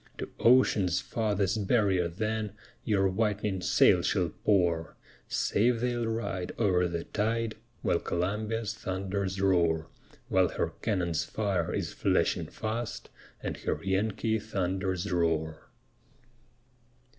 To ocean's farthest barrier then Your whit'ning sail shall pour; Safe they'll ride o'er the tide, While Columbia's thunders roar, While her cannon's fire is flashing fast, And her Yankee thunders roar.